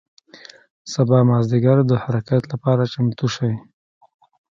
سبا مازدیګر د حرکت له پاره چمتو شئ.